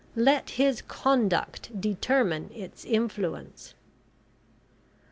Let his conduct determine it's influence!"